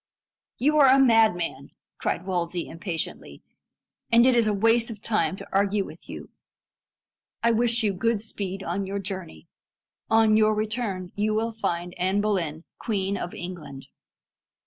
"You are a madman!" cried Wolsey impatiently, "and it is a waste of time to argue with you. I wish you good speed on your journey. On your return you will find Anne Boleyn Queen of England."